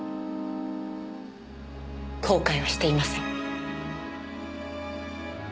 後悔はしていません。